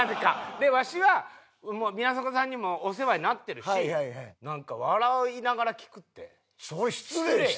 でわしは宮迫さんにもお世話になってるしなんか笑いながら聴くって失礼やん。